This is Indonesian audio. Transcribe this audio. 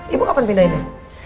ibu kapan pindahinnya